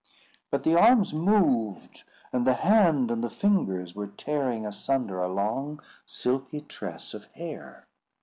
But the arms moved, and the hand and the fingers were tearing asunder a long silky tress of hair.